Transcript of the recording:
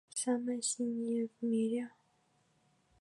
...Самое синее в мире